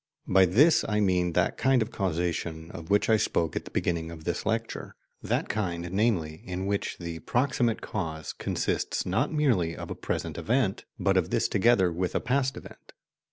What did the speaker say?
By this I mean that kind of causation of which I spoke at the beginning of this lecture, that kind, namely, in which the proximate cause consists not merely of a present event, but of this together with a past event.